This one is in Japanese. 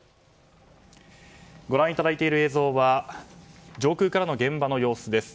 ご覧いただいている映像は上空からの現場の様子です。